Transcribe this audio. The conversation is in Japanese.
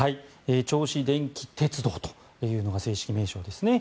銚子電気鉄道というのが正式名称ですね。